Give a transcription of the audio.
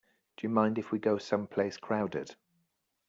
Do you mind if we go someplace crowded?